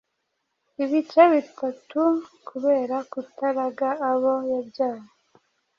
ibice bitatu kubera kutaraga abo yabyaye.